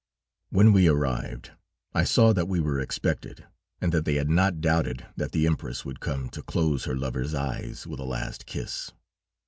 "When we arrived, I saw that we were expected, and that they had not doubted that the Empress would come to close her lover's eyes with a last kiss.